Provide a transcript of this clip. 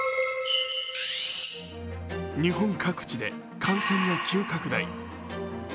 日本各地で感染が急拡大。